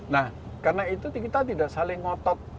nah karena itu kita tidak saling ngotot